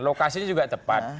lokasinya juga tepat